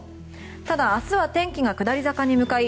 ただ、明日は天気が下り坂に向かい